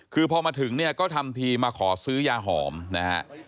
คือพอมาถึงเนี่ยก็ทำทีมาขอซื้อยาหอมนะฮะ